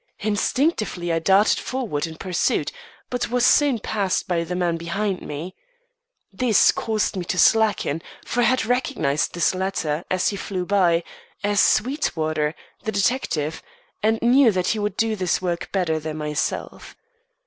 Instinctively I darted forward in pursuit, but was soon passed by the man behind me. This caused me to slacken; for I had recognised this latter, as he flew by, as Sweetwater, the detective, and knew that he would do this work better than myself.